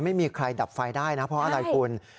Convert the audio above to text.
ไม่มีใครดับไฟได้นะเพราะอะไรคุณ